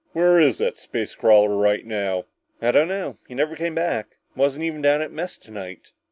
"Where is that space crawler right now?" "I don't know. He never came back. Wasn't even down at mess tonight."